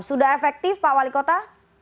sudah efektif pak wali kota